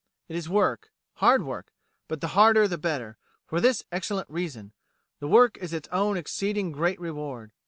It is work, hard work; but the harder the better, for this excellent reason: the work is its own exceeding great reward.